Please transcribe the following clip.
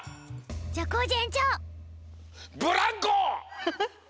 じゃあコージえんちょう。